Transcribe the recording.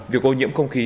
việc ô nhiễm không khí